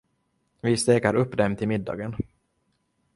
Vi steker upp dem till middagen.